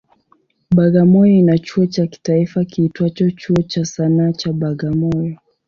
Bagamoyo ina chuo cha kitaifa kiitwacho Chuo cha Sanaa cha Bagamoyo.